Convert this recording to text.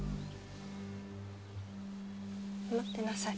待ってなさい。